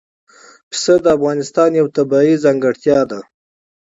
پسه د افغانستان یوه طبیعي ځانګړتیا ده.